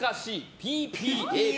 ＰＰＡＰ。